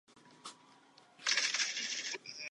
Tento druh má jen jednu generaci potomků ročně.